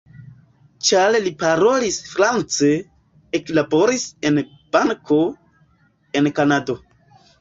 Ĉar li parolis france, eklaboris en banko, en Kanado.